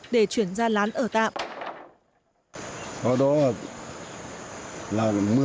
để chuyển ra lán ở tạm